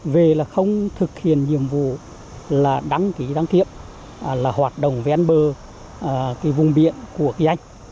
về là không thực hiện nhiệm vụ là đăng ký đăng kiệm là hoạt động ven bờ vùng biện của kỳ anh